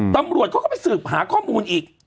ตำรวจเขาก็ไปสืบหาข้อมูลอีก